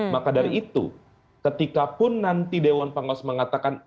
maka dari itu ketikapun nanti dewan pengawas mengatakan